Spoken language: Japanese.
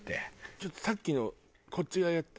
ちょっとさっきのこっち側やって。